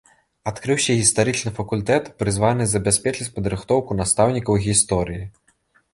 Адкрыўся гістарычны факультэт, прызваны забяспечыць падрыхтоўку настаўнікаў гісторыі.